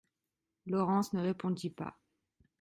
Laurence ne répondit pas.